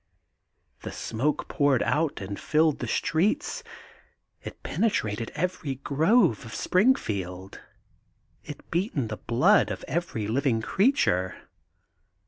* The smoke poured out and filled the streets. It penetrated every grove of Spring field. It beat in the blood of every Uving crea ture.